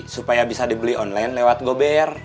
supaya bisa dibeli online lewat gober